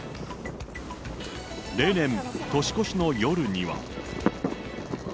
例年、年越しの夜には。